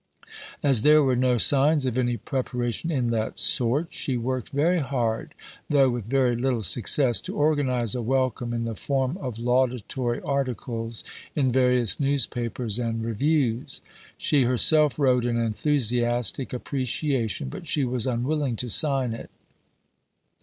As there were no signs of any preparation in that sort, she worked very hard, though with very little success, to organize a welcome in the form of laudatory articles in various newspapers and reviews. She herself wrote an enthusiastic appreciation, but she was unwilling to sign it.